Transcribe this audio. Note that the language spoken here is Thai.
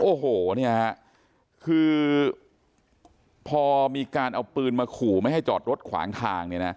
โอ้โหนี่คือพอมีการเอาปืนมาขู่ไม่ให้จอดรถขวางทาง